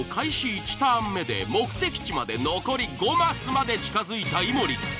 １ターン目で目的地まで残り５マスまで近づいた井森。